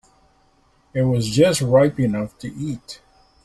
It was just ripe enough to eat.